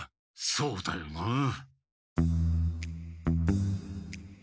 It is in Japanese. そうだよなあ。